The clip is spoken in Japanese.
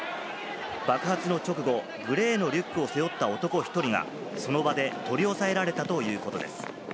爆発の直後、グレーのリュックを背負った男１人がその場で取り押さえられたということです。